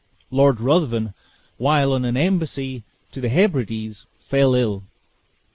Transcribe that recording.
Lord Ruthven, while on an embassy to the Hebrides, fell ill.